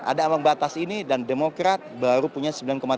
ada ambang batas ini dan demokrat baru punya sembilan tiga